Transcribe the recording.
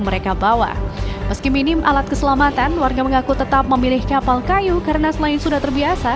mereka bawa meski minim alat keselamatan warga mengaku tetap memilih kapal kayu karena selain sudah terbiasa